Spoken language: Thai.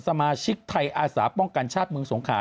สมาชิกไทยอาสาป้องกันชาติเมืองสงขา